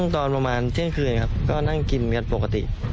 ตอนประมาณเที่ยงคืนครับก็นั่งกินกันปกติ